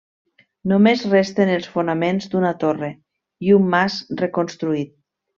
Només resten els fonaments d'una torre i un mas reconstruït.